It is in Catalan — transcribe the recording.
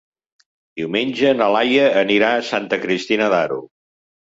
Diumenge na Laia anirà a Santa Cristina d'Aro.